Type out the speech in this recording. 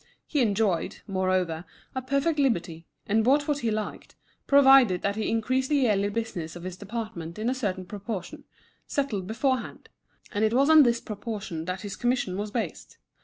He enjoyed, moreover, a perfect liberty, and bought what he liked, provided that he increased the yearly business of his department in a certain proportion, settled beforehand; and it was on this proportion that his commission was based.